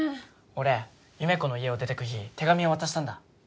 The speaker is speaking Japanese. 俺優芽子の家を出てく日手紙を渡したんだ